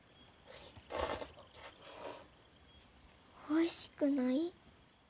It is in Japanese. おいしくない？